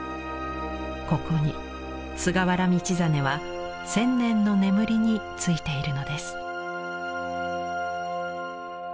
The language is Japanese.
ここに菅原道真は千年の眠りについているのです。